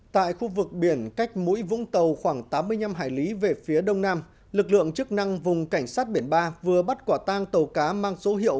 tại khu vực biển cách mũi vũng tàu khoảng tám mươi năm hải lý về phía đông nam lực lượng chức năng vùng cảnh sát biển ba vừa bắt quả tang tàu cá mang số hiệu